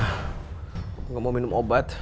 aku gak mau minum obat